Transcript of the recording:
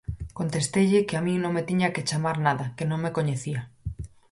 Contesteille que a min non me tiña que chamar nada que non me coñecía.